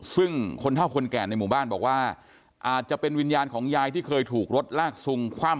ซึ่งคนเท่าคนแก่ในหมู่บ้านบอกว่าอาจจะเป็นวิญญาณของยายที่เคยถูกรถลากซุงคว่ำ